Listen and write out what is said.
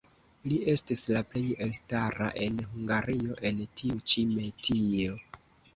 Li estis la plej elstara en Hungario en tiu ĉi metio.